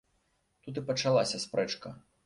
Тут і пачалася спрэчка.